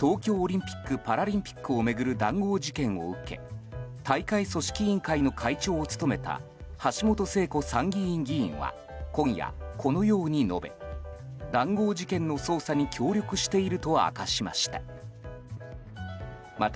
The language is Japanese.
東京オリンピック・パラリンピックを巡る談合事件を受け大会組織委員会の会長を務めた橋本聖子参議院議員は今夜、このように述べ談合事件の捜査に協力していると明かしました。